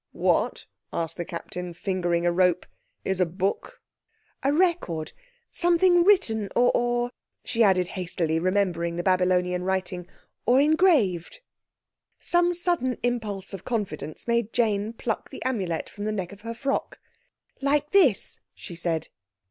"What," asked the Captain, fingering a rope, "is a book?" "A record—something written, or," she added hastily, remembering the Babylonian writing, "or engraved." Some sudden impulse of confidence made Jane pluck the Amulet from the neck of her frock. "Like this," she said.